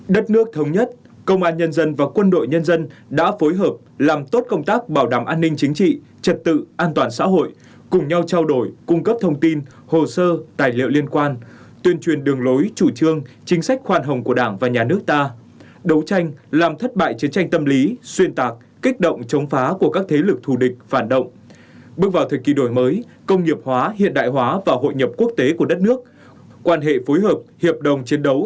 đất nước thống nhất công an nhân dân và quân đội nhân dân đã phối hợp làm tốt công tác bảo đảm an ninh chính trị trật tự an toàn xã hội cùng nhau trao đổi cung cấp thông tin hồ sơ tài liệu liên quan tuyên truyền đường lối chủ trương chính sách khoan hồng của đảng và nhà nước ta đấu tranh làm thất bại chiến tranh tâm lý xuyên tạc kích động chống phá của các thế lực thù địch phản động bước vào thời kỳ đổi mới công nghiệp hóa hiện đại hóa và hội nhập quốc tế của đất nước quan hệ phối hợp hiệp đồng chi